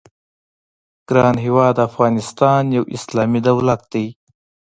ګران هېواد افغانستان یو اسلامي دولت دی.